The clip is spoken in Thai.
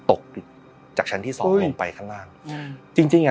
ตกจากชั้นที่สองลงไปข้างล่างอืมจริงจริงอ่ะ